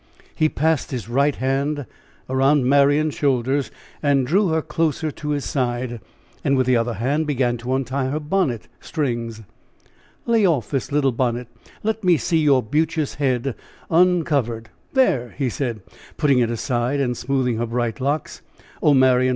He passed his right hand around Marian's shoulders, and drew her closer to his side, and with the other hand began to untie her bonnet strings. "Lay off this little bonnet. Let me see your beauteous head uncovered. There!" he said, putting it aside, and smoothing her bright locks. "Oh, Marian!